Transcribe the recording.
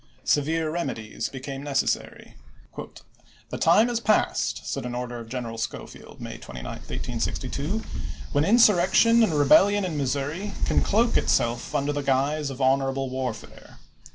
Severe remedies became neces sary. " The time is past," said an order of General Schofield (May 29, 1862), " when insurrection and rebellion in Missouri can cloak itself under the guise of honorable warfare.